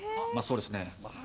「まあそうですね」